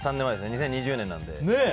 ２０２０年なので。